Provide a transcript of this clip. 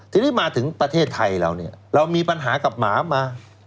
ทีนี้มาถึงประเทศไทยเราเนี่ยเรามีปัญหากับหมามา